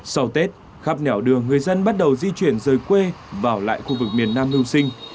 sau tết khắp nẻo đường người dân bắt đầu di chuyển rời quê vào lại khu vực miền nam mưu sinh